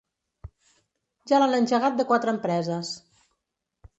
Ja l'han engegat de quatre empreses.